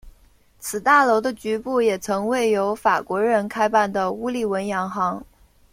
此大楼的局部也曾为由法国人开办的乌利文洋行。